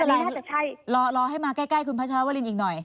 น่าจะใช่รอให้มาใกล้คุณพัชรวรินอีกหน่อย